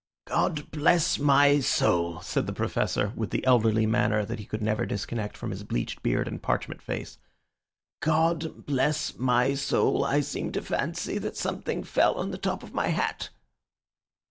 "God bless my soul!" said the Professor with the elderly manner that he could never disconnect from his bleached beard and parchment face. "God bless my soul! I seemed to fancy that something fell on the top of my hat!"